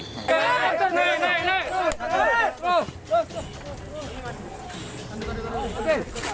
terus terus terus